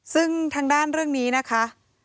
ซึ่งทางด้านเรื่องนี้นะคะ